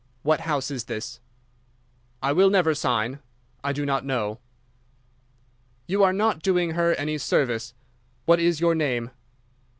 What house is this?' "'I will never sign. I do not know.' "'You are not doing her any service. _What is your name?